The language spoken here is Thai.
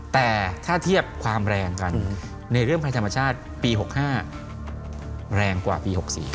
แต่ถ้าเทียบความแรงกันในเรื่องภัยธรรมชาติปี๖๕แรงกว่าปี๖๔